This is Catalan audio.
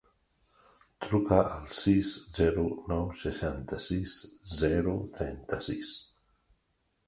Truca al sis, zero, nou, seixanta-sis, zero, trenta-sis.